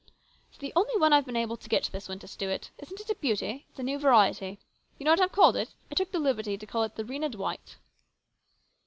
" It's the only one I've been able to get this winter, Stuart. Isn't it a beauty ? It's a new variety. Do you know what I have called it? I took the liberty to call it the ' Rhena Dwight.'